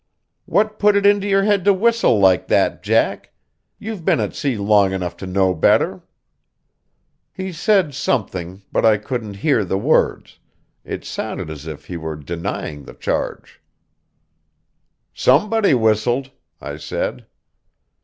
"What put it into your head to whistle like that, Jack? You've been at sea long enough to know better." He said something, but I couldn't hear the words; it sounded as if he were denying the charge. "Somebody whistled," I said.